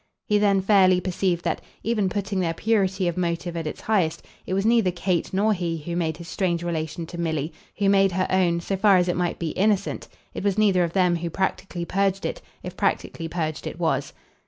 He then fairly perceived that even putting their purity of motive at its highest it was neither Kate nor he who made his strange relation to Milly, who made her own, so far as it might be, innocent; it was neither of them who practically purged it if practically purged it was.